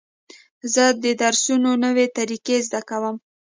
زه د درسونو نوې طریقې زده کوم.